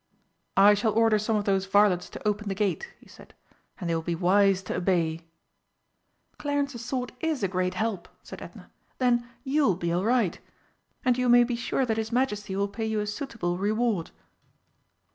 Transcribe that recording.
"I shall order some of those varlets to open the gate," he said, "and they will be wise to obey." "Clarence's sword is a great help!" said Edna. "Then you will be all right. And you may be sure that his Majesty will pay you a suitable reward."